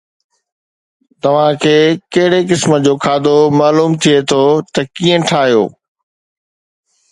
توهان کي ڪهڙي قسم جو کاڌو معلوم ٿئي ٿو ته ڪيئن ٺاهيو؟